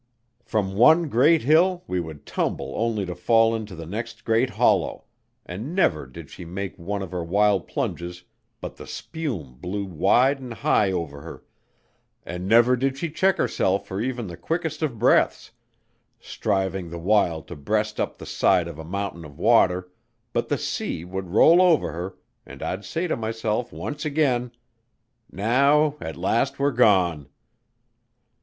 From one great hill we would tumble only to fall into the next great hollow; and never did she make one of her wild plunges but the spume blew wide and high over her, and never did she check herself for even the quickest of breaths, striving the while to breast up the side of a mountain of water, but the sea would roll over her, and I'd say to myself once again: "Now at last we're gone!"